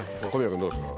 君どうですか？